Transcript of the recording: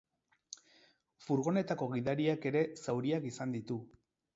Furgonetako gidariak ere zauriak izan ditu.